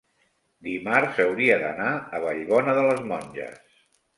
dimarts hauria d'anar a Vallbona de les Monges.